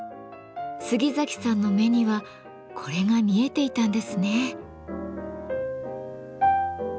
杉崎さんの目にはこれが見えていたんですね。